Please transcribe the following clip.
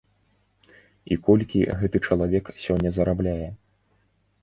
І колькі гэты чалавек сёння зарабляе?